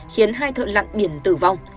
khiến hai thợ lặn biển tử vong